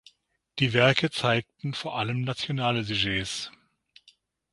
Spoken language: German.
Die Werke zeigten vor allem nationale Sujets.